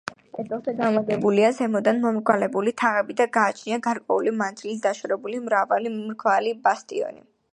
კედელზე განლაგებულია ზემოდან მომრგვალებული თაღები და გააჩნია გარკვეული მანძილით დაშორებული მრავალი მრგვალი ბასტიონი.